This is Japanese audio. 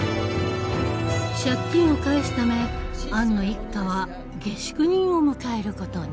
借金を返すためアンの一家は下宿人を迎えることに。